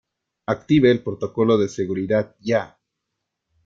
active el protocolo de seguridad ya.